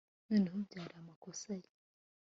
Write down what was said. Noneho byari amakosa ye